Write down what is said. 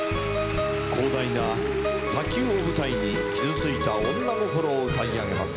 広大な砂丘を舞台に傷ついた女心を歌い上げます。